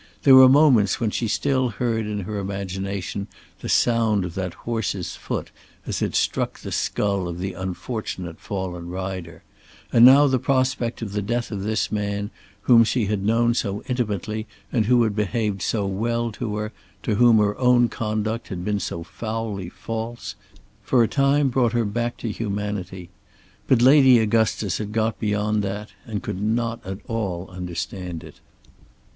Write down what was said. There were moments when she still heard in her imagination the sound of that horse's foot as it struck the skull of the unfortunate fallen rider; and now the prospect of the death of this man whom she had known so intimately and who had behaved so well to her, to whom her own conduct had been so foully false, for a time brought her back to humanity. But Lady Augustus had got beyond that and could not at all understand it.